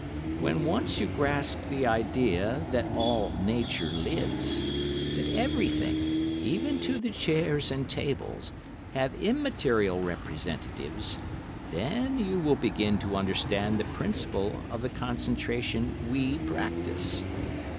When once you grasp the idea that all Nature lives—that everything, even to the chairs and tables, have immaterial representatives, then you will begin to understand the principle of the concentration we practise.